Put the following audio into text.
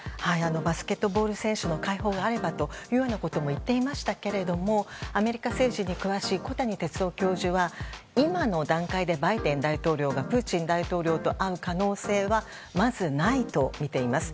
バスケットボール選手の解放があればということも言っていましたけれどもアメリカ政治に詳しい小谷哲男教授は今の段階で、バイデン大統領がプーチン大統領と会う可能性はまずないとみています。